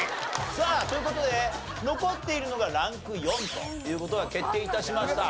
さあという事で残っているのがランク４という事が決定致しました。